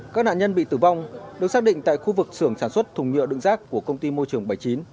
các nạn nhân bị tử vong được xác định tại khu vực xưởng sản xuất thùng nhựa đựng rác của công ty môi trường bảy mươi chín